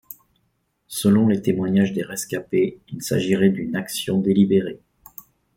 Selon les témoignages des rescapés, il s'agirait d'une action délibérée.